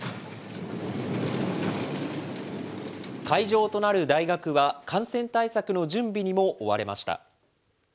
会場となる大学は、感染対策の準備にも追われました。